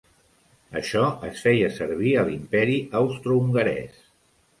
Això es feia servir a l'imperi austrohongarès.